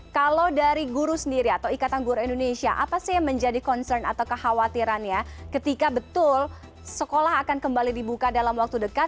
kalau dari guru sendiri atau ikatan guru indonesia apa sih yang menjadi concern atau kekhawatiran ya ketika betul sekolah akan kembali dibuka dalam waktu dekat